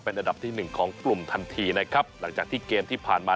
อันดับที่หนึ่งของกลุ่มทันทีนะครับหลังจากที่เกมที่ผ่านมา